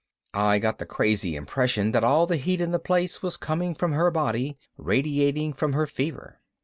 I got the crazy impression that all the heat in the place was coming from her body, radiating from her fever.